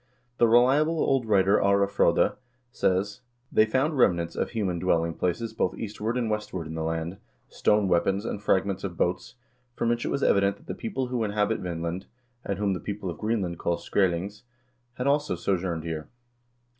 The reliable old writer Are Frode3 says: "They found remnants of human dwelling places both eastward and westward in the land, stone weapons and fragments of boats, from which it was evident that the same people who inhabit Vinland, and whom the people of Greenland call Skrselings,4 had also sojourned here."